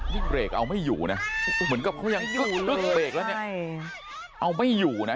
นี่เบรกเอาไม่อยู่นะเหมือนกับเขายังเบรกแล้วเนี่ยเอาไม่อยู่นะ